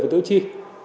và tự chi